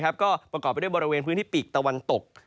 ก็ประกอบไปด้วยบริเวณพื้นที่ปีกตะวันตก